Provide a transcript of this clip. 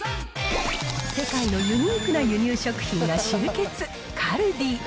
世界のユニークな輸入食品が集結、カルディ。